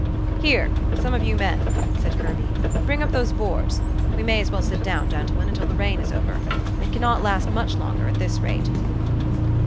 "Here, some of you men!" said Kirby, "bring up those boards. We may as well sit down, gentlemen, until the rain is over. It cannot last much longer at this rate."